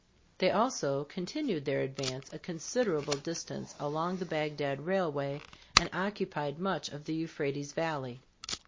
They also continued their advance a considerable distance along the Bagdad Railway and occupied much of the Euphrates valley.